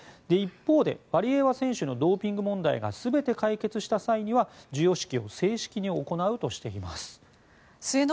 一方で、ワリエワ選手のドーピング問題が全て解決した際には授与式を正式に行うとしています。